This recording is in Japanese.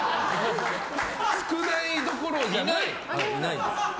少ないどころじゃない。